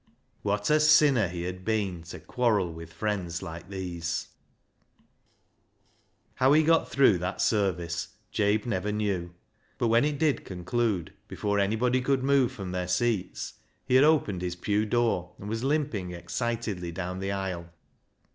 What a sinner he had been to quarrel with friends like these ! How he got through that service Jabe never knew, but when it did conclude, before anybody could move from their seats he had opened his pew door, and was limping excitedly down the aisle.